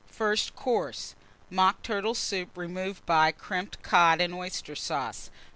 First Course Mock Turtle Soup, removed by Crimped Cod and Oyster Sauce.